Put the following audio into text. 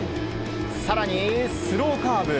更にスローカーブ。